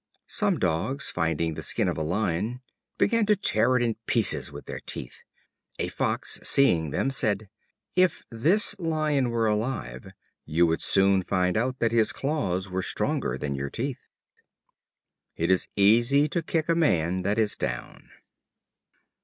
Some Dogs, finding the skin of a lion, began to tear it in pieces with their teeth. A Fox, seeing them, said: "If this lion were alive, you would soon find out that his claws were stronger than your teeth." It is easy to kick a man that is down.